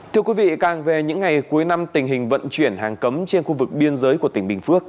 thưa quý vị càng về những ngày cuối năm tình hình vận chuyển hàng cấm trên khu vực biên giới của tỉnh bình phước